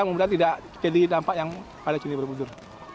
mudah mudahan tidak jadi dampak yang pada candi borobudur